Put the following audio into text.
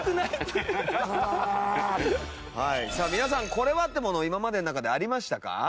はいさあ皆さんこれはってもの今までの中でありましたか？